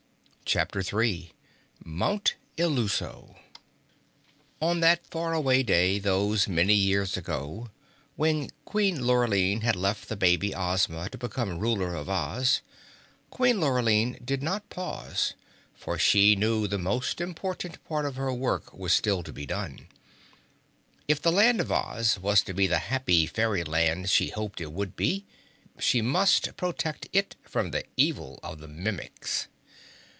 CHAPTER 3 Mount Illuso On that far away day those many years ago, when Queen Lurline had left the baby Ozma to become the ruler of Oz, Queen Lurline did not pause, for she knew the most important part of her work was still to be done. If the Land of Oz was to be the happy fairyland she hoped it would be, she must protect it from the evil of the Mimics.